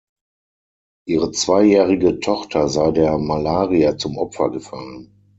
Ihre zweijährige Tochter sei der Malaria zum Opfer gefallen.